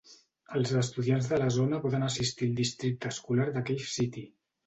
Els estudiants de la zona poden assistir al districte escolar de Cave City.